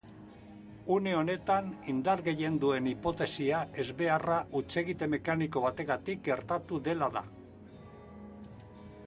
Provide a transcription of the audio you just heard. Une honetan indar gehien duen hipotesia ezbeharra hutsegite mekaniko bategatik gertatu dela da.